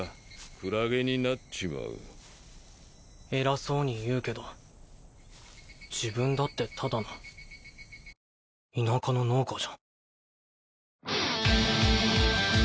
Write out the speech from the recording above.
クラゲになっちまう偉そうに言うけど自分だってただのいや